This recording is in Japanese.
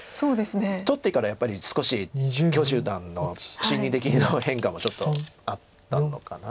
取ってからやっぱり少し許十段の心理的な変化もちょっとあったのかな。